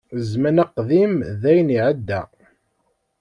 Zzman aqdim dayen iεedda.